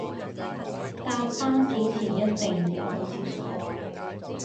搭巴士前一定要去廁所